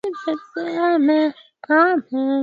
inaweza kufikia urefu wa miguu ishirini na